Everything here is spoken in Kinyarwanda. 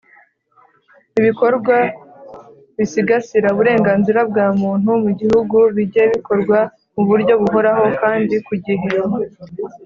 Ibikorwa bisigasira uburenganzira bwa Muntu mu Gihugu bijye bikorwa mu buryo buhoraho kandi ku gihe.